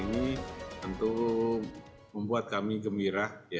ini tentu membuat kami gembira